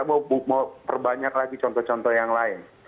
saya mau perbanyak lagi contoh contoh yang lain